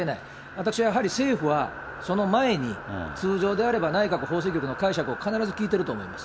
私はやはり政府はその前に、通常であれば、内閣法制局の解釈を必ず聞いてると思います。